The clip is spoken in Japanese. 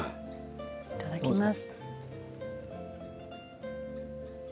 いただきます。